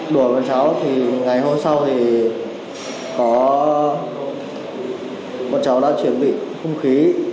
bọn cháu đuổi bọn cháu thì ngày hôm sau thì có bọn cháu đã chuẩn bị không khí